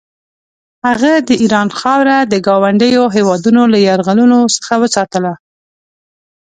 هغه د ایران خاوره د ګاونډیو هېوادونو له یرغلونو څخه وساتله.